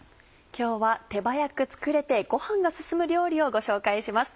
今日は手早く作れてご飯が進む料理をご紹介します。